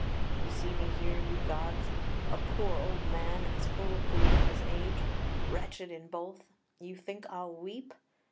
You see me here, you gods, a poor old man, as full of grief as age; wretched in both.... You think I'll weep?